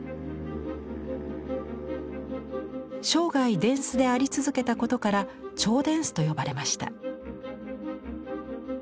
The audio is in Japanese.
生涯殿司であり続けたことから「兆殿司」と呼ばれました。